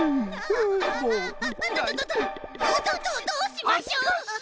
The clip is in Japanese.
どどどうしましょう！